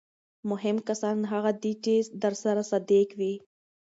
مهم کسان هغه دي چې درسره صادق وي.